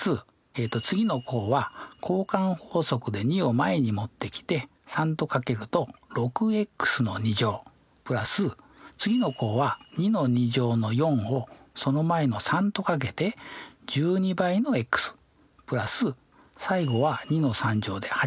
次の項は交換法則で２を前に持ってきて３と掛けると６＋次の項は２の２乗の４をその前の３と掛けて１２＋最後は２の３乗で８。